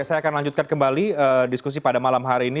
saya akan lanjutkan kembali diskusi pada malam hari ini